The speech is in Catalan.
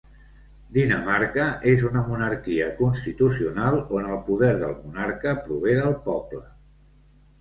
Dinamarca és una monarquia constitucional on el poder del monarca prové del poble.